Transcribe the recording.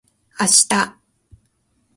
明日